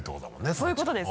そういうことです。